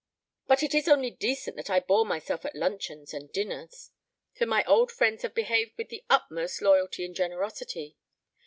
But it is only decent that I bore myself at luncheons and dinners, for my old friends have behaved with the utmost loyalty and generosity.